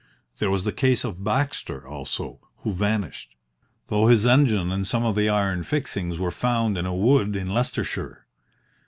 There was the case of Baxter also, who vanished, though his engine and some of the iron fixings were found in a wood in Leicestershire.